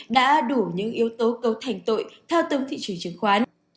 đã đủ những yếu tố cấu thành tội thao túng thị trường chứng khoán